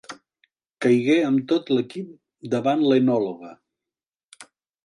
Caigué amb tot l'equip davant l'enòloga.